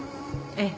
ええ。